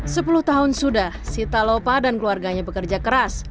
sepuluh tahun sudah sita lopa dan keluarganya bekerja keras